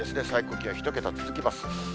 最高気温１桁続きます。